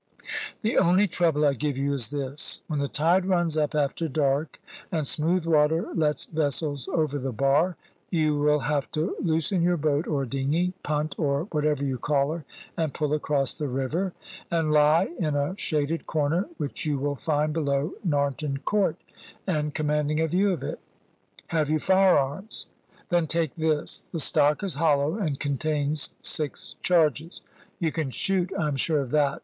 The only trouble I give you is this when the tide runs up after dark, and smooth water lets vessels over the bar, you will have to loosen your boat or dingy, punt, or whatever you call her, and pull across the river, and lie in a shaded corner which you will find below Narnton Court, and commanding a view of it. Have you firearms? Then take this. The stock is hollow, and contains six charges. You can shoot; I am sure of that.